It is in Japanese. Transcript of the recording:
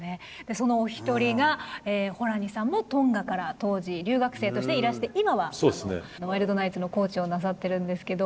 そのお一人がホラニさんもトンガから当時留学生としていらして今はワイルドナイツのコーチをなさってるんですけど。